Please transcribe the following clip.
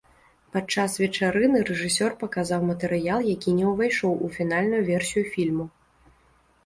Падчас вечарыны рэжысёр паказаў матэрыял, які не ўвайшоў у фінальную версію фільму.